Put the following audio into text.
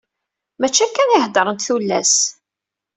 Mačči akka i heddrent tullas.